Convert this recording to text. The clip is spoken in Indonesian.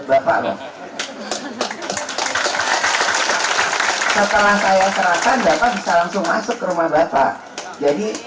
bapak setelah saya serahkan bapak bisa langsung masuk ke rumah bapak jadi